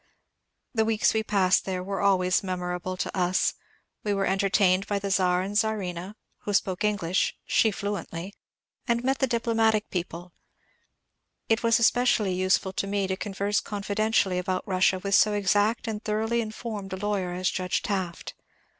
The weeks we passed there were always memo rable to us ; we were entertained by the Czar and Czarina, who spoke English (she fluently), and met the diplomatic people. It was especially useful to me to converse confiden tially about Russia with so exact and thoroughly informed a VOL. u 418 MONCURE DANIEL CONWAY lawyer as Judge Taft.